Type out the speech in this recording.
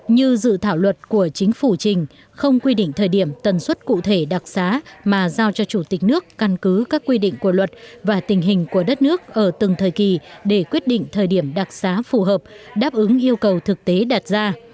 như dự thảo luật của chính phủ trình không quy định thời điểm tần suất cụ thể đặc xá mà giao cho chủ tịch nước căn cứ các quy định của luật và tình hình của đất nước ở từng thời kỳ để quyết định thời điểm đặc xá phù hợp đáp ứng yêu cầu thực tế đạt ra